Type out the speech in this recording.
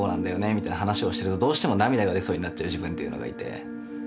みたいな話をしてるとどうしても涙が出そうになっちゃう自分っていうのがいて。